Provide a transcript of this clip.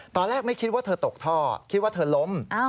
ตอนแรกไม่คิดว่าเธอตกท่อคิดว่าเธอล้ม